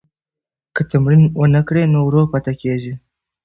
که تمرین ونکړئ نو ورو پاتې کیږئ.